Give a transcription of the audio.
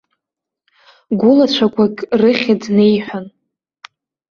Гәылацәақәак рыхьӡ неиҳәан.